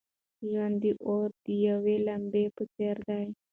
ژوند د اور د یوې لمبې په څېر دی.